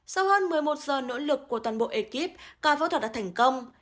sau hơn một mươi một giờ nỗ lực của toàn bộ ekip ca phẫu thuật đã thành công